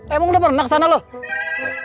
emang lu pernah kesana lho